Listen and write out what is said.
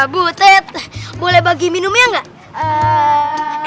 bu tet boleh bagi minumnya nggak